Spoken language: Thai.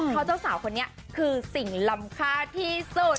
เพราะเจ้าสาวคนนี้คือสิ่งลำค่าที่สุด